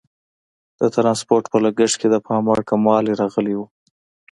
د ټرانسپورټ په لګښت کې د پام وړ کموالی راغلی وو.